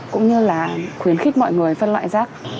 cũng như là khuyến khích mọi người phân loại rác